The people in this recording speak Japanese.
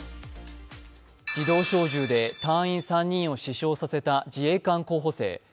自動小銃で隊員３人を死傷させた自衛官候補生。